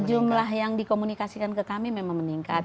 jumlah yang dikomunikasikan ke kami memang meningkat